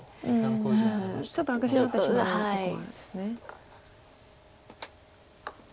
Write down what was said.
ちょっと悪手になってしまうこともあるんですね。